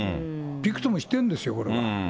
びくともしてるんですよ、これは。